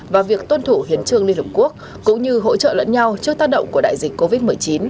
và việc tuân thủ hiến trương liên hợp quốc cũng như hỗ trợ lẫn nhau trước tác động của đại dịch covid một mươi chín